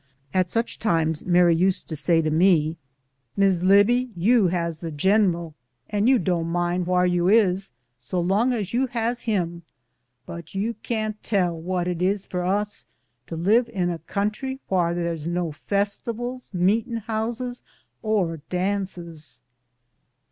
At such times Mary used to say to me, "Miss Libbie, you has the giniral, and you don' mind whar you is so long as you has him, but you can't tell what it is for us to live in a country wha' there's no festibuls, meetin' houses, or dances."